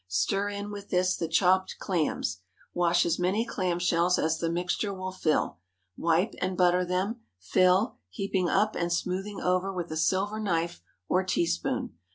Stir in with this the chopped clams. Wash as many clam shells as the mixture will fill; wipe and butter them; fill, heaping up and smoothing over with a silver knife or teaspoon.